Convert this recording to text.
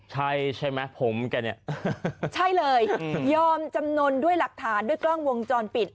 ใช่ใช่ไหมผมแกเนี่ยใช่เลยยอมจำนวนด้วยหลักฐานด้วยกล้องวงจรปิด